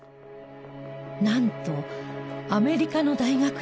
なんとアメリカの大学への挑戦。